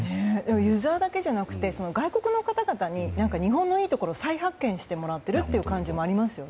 湯沢だけじゃなくて外国の方々に日本のいいところを再発見してもらっている感じもありますよね。